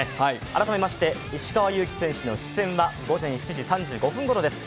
改めまして石川祐希選手の出演は午前７時３５分ごろです。